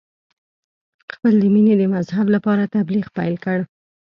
خپل د مینې د مذهب لپاره تبلیغ پیل کړ.